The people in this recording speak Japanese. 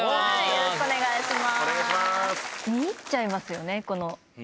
よろしくお願いします。